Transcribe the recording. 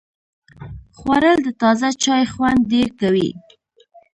خوړل د تازه چای خوند ډېر کوي